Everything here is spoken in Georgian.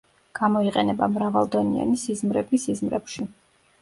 გამოიყენება მრავალდონიანი სიზმრები სიზმრებში.